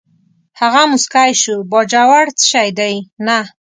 هغه موسکی شو: باجوړ څه شی دی، نه.